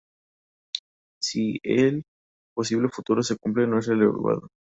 Si el posible futuro se cumple no es revelado.